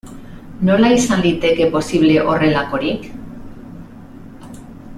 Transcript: Nola izan liteke posible horrelakorik?